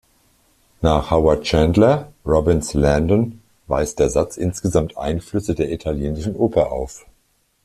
Nach Howard Chandler Robbins Landon weist der Satz insgesamt Einflüsse der Italienischen Oper auf.